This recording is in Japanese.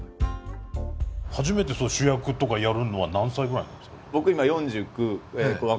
初めて主役とかやるのは何歳ぐらいなんですか？